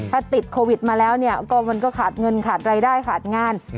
ถ้าติดโควิดมาแล้วเนี่ยก็มันก็ขาดเงินขาดรายได้ขาดงาน